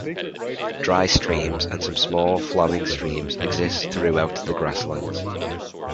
Dry streams and some small flowing streams exist throughout the Grasslands.